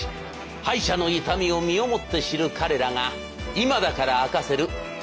敗者の痛みを身をもって知る彼らが今だから明かせる黒歴史を演じます。